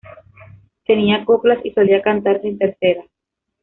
Tenía coplas y solía cantarse en terceras.